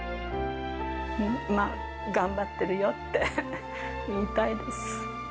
頑張ってるよって言いたいです。